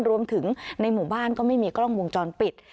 รวมถึงในหมู่บ้านก็ไม่มีกล้องวงจรปิด